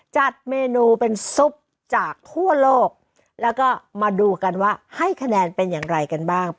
จัดเมนูเป็นซุปจากทั่วโลกแล้วก็มาดูกันว่าให้คะแนนเป็นอย่างไรกันบ้าง